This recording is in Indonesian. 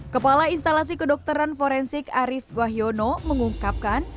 kepala instalasi kedokteran forensik arief wahyono mengungkapkan